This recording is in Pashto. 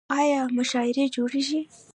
آیا مشاعرې جوړیږي؟